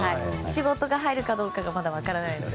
仕事が入るかどうかがまだ分からないので。